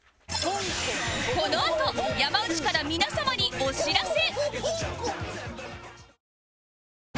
このあと山内から皆様にお知らせ